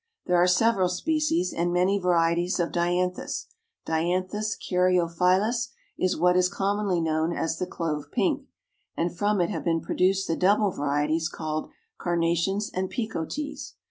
There are several species, and many varieties of Dianthus; Dianthus Caryophyllus is what is commonly known as the Clove Pink, and from it have been produced the double varieties called Carnations and Picotees.